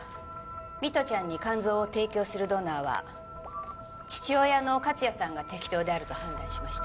美都ちゃんに肝臓を提供するドナーは父親の克也さんが適当であると判断しました。